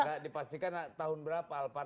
enggak dipastikan tahun berapa alphard